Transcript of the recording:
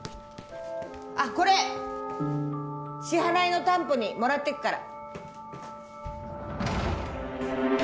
あっこれ支払いの担保にもらっていくから。